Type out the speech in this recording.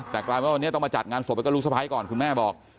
แต่กลายเป็นว่าวันนี้ต้องมาจัดงานศพไปกับลูกสะพ้ายก่อนคุณแม่บอก